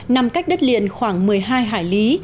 nằm cách đất liền khoảng một mươi hai hải lý